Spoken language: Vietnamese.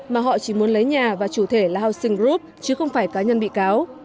mà họ chỉ muốn lấy nhà và chủ thể là housing group chứ không phải cá nhân bị cáo